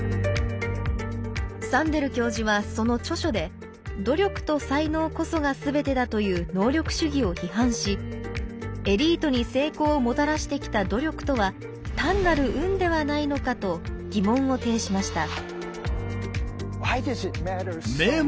サンデル教授はその著書で努力と才能こそがすべてだという能力主義を批判しエリートに成功をもたらしてきた「努力」とは単なる運ではないのかと疑問を呈しました。